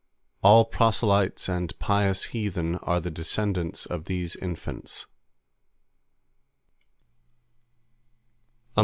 All proselytes and pious heathen are the descendants of these infants.